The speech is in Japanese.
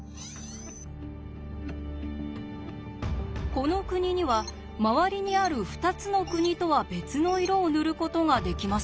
この国には周りにある２つの国とは別の色を塗ることができますよね。